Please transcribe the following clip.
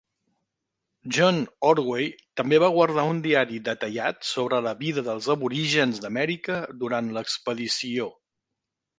John Ordway també va guardar un diari detallat sobre la vida dels aborígens d'Amèrica durant l'expedició.